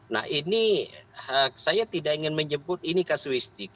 nah ini saya tidak ingin menyebut ini kasuistik